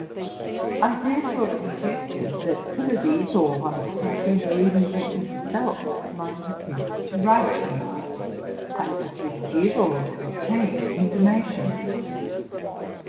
I there fore conjectured that Pylades, or one of the cousins, or even Gretchen herself, might have attempted to write to me, either to give or to obtain information.